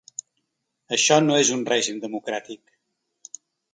Això no és un règim democràtic.